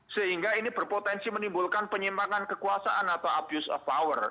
sehingga ini berpotensi menimbulkan penyimpangan kekuasaan atau abuse of power